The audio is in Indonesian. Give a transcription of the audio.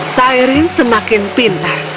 saya percaya dia makin pintar